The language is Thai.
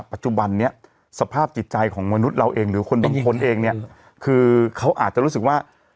ปัจจุบันนี้สภาพจิตใจของมนุษย์เราเองหรือคนบางคนเองเนี่ยคือเขาอาจจะรู้สึกว่า